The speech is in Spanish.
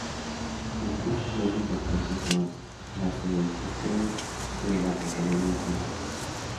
Sus usos más importantes son la señalización y el acompañamiento en danzas.